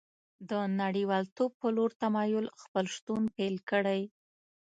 د نړیوالتوب په لور تمایل خپل شتون پیل کړی